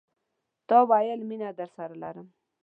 تا ویل، مینه درسره لرم